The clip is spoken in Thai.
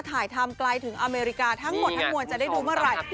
ถ่ายทำไกลถึงอเมริกาทั้งหมดทั้งมวลจะได้ดูเมื่อไหร่